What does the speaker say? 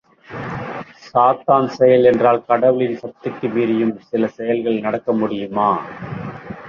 சாத்தான் செயல் என்றால் கடவுளின சக்திக்கு மீறியும் சில செயல்கள் நடக்க முடியுமா?